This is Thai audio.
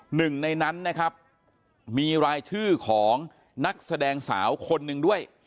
หนึ่งในนั้นนะครับมีรายชื่อของนักแสดงสาวคนหนึ่งด้วย